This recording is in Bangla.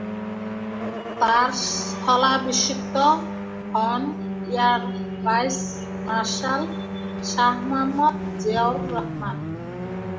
তার স্থলাভিষিক্ত হন air vice marshal Shah Mohammad Ziaur Rahman.